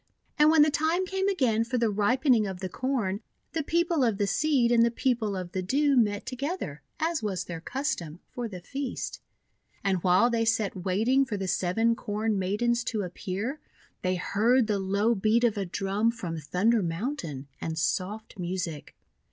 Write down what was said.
And when the time came again for the ripen ing of the Corn, the People of the Seed and the People of the Dew met together, as was their custom, for the feast. And while they sat wait ing for the Seven Corn Maidens to appear, they heard the low beat of a drum from Thunder Mountain, and soft music.